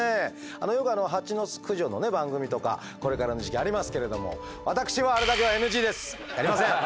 よく蜂の巣駆除の番組とかこれからの時期ありますけれども私はやりません！